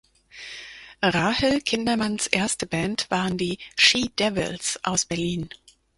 Rahel Kindermanns erste Band waren die „She Devils“ aus Berlin.